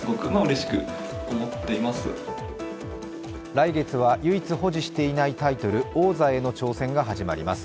来月は唯一保持していないタイトル、王座への挑戦が始まります。